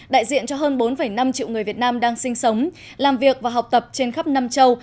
đại diện cho hơn bốn năm triệu người việt nam đang sinh sống làm việc và học tập trên khắp nam châu